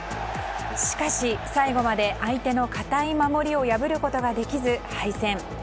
しかし、最後まで相手の堅い守りを破ることができず、敗戦。